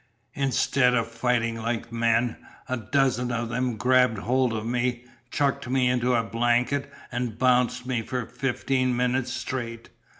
Instead of fighting like men, a dozen of them grabbed hold of me, chucked me into a blanket, an' bounced me for fifteen minutes straight!